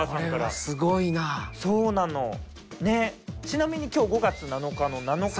ちなみに今日５月７日の７日は。